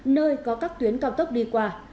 nơi có các tuyến cao tốc đi qua